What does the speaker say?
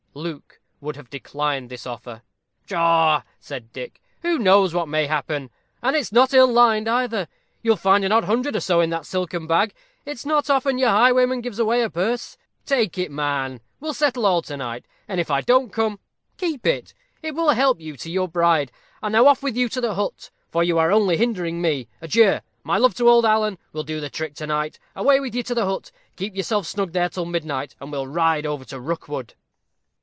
Luke would have declined this offer. "Pshaw!" said Dick. "Who knows what may happen? and it's not ill lined either. You'll find an odd hundred or so in that silken bag it's not often your highwayman gives away a purse. Take it, man we'll settle all to night; and if I don't come, keep it it will help you to your bride. And now off with you to the hut, for you are only hindering me. Adieu! My love to old Alan. We'll do the trick to night. Away with you to the hut. Keep yourself snug there till midnight, and we'll ride over to Rookwood."